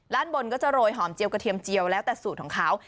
บนก็จะโรยหอมเจียวกระเทียมเจียวแล้วแต่สูตรของเขา